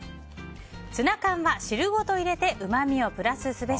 ツナ缶は汁ごと入れてうまみをプラスすべし。